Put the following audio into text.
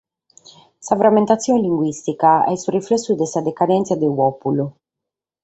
Sa frammentatzione linguìstica est su riflessu de sa decadèntzia de unu pòpulu.